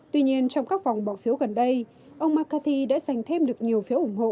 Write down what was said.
tuy nhiên trong các vòng bỏ phiếu gần đây ông macarthy đã giành thêm được nhiều phiếu ủng hộ